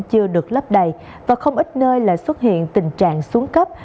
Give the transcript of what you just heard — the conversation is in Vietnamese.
chưa được lấp đầy và không ít nơi lại xuất hiện tình trạng xuống cấp